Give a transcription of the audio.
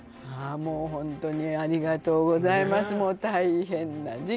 もうホントにありがとうございますねえ